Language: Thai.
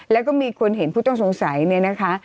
แล้วก็มีคนเห็นผู้ต้องสงสัยเนี่ยนะคะ